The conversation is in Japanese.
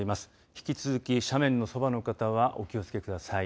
引き続き、斜面のそばの方はお気をつけください。